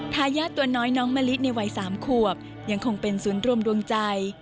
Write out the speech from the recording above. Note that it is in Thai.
ทายาทตัวน้อยน้องมะลิในวัย๓ขวบยังคงเป็นศูนย์รวมดวงใจ